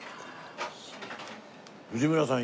藤村さん